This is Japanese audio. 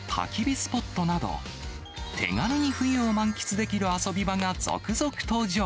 スポットなど、手軽に冬を満喫できる遊び場が続々登場。